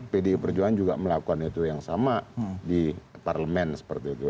pdi perjuangan juga melakukan itu yang sama di parlemen seperti itu